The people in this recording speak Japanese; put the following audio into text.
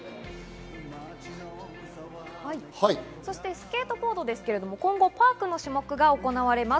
スケートボードですけれど、今後パークの種目が行われます。